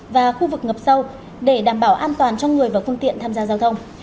và khu vực ngập sâu để đảm bảo an toàn cho người và phương tiện tham gia giao thông